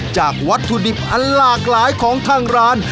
วัตถุดิบอันหลากหลายของทางร้าน